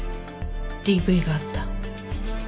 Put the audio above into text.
ＤＶがあった。